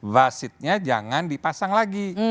wasitnya jangan dipasang lagi